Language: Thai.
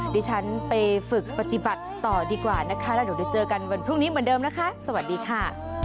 ดิฉันไปฝึกปฏิบัติต่อดีกว่านะคะแล้วเดี๋ยวเจอกันวันพรุ่งนี้เหมือนเดิมนะคะสวัสดีค่ะ